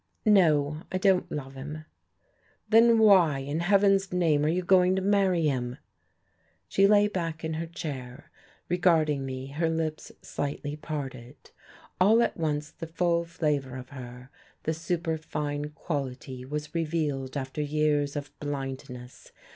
"No, I don't love him." "Then why, in heaven's name, are you going to marry him?" She lay back in her chair, regarding me, her lips slightly parted. All at once the full flavour of her, the superfine quality was revealed after years of blindness.